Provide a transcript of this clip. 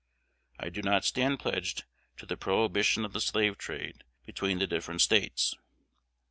I do not stand pledged to the prohibition of the slave trade between the different States.